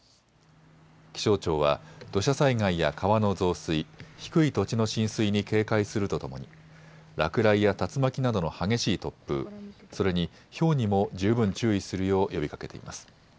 気象庁は土砂災害や川の増水、低い土地の浸水に警戒するとともに落雷や竜巻などの激しい突風、それにひょうにも十分注意するよう呼びかけています。